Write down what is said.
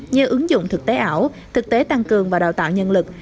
như ứng dụng thực tế ảo thực tế tăng cường và đào tạo nhân lực